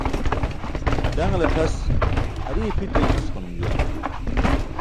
Ḍaṅlatʰas hariye phiṭiye mosqanum juwan